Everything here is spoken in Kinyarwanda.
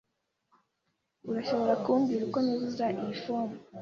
Urashobora kumbwira uko nuzuza iyi fomu?